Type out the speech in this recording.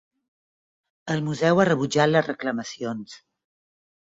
El museu ha rebutjat les reclamacions.